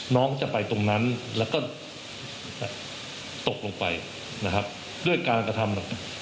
น้องจะไปตรงนั้นแล้วก็ตกลงไปนะครับด้วยการกระทำ